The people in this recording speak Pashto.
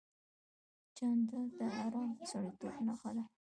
جانداد د ارام او سړیتوب نښه ده.